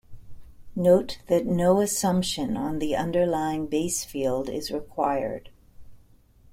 Note that no assumption on the underlying base field is required.